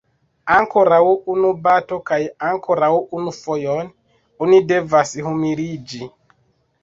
Ankoraŭ unu bato kaj ankoraŭ unu fojon oni devas humiliĝi.